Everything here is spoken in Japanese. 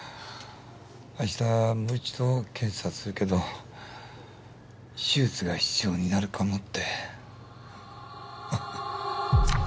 明日もう１度検査するけど手術が必要になるかもって。